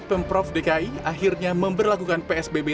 pemprov dki akhirnya memperlakukan psbb